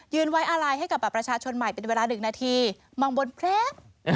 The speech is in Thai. ยืนไว้อะไรให้กับประชาชนใหม่เป็นเวลา๑นาทีมองบนแปลว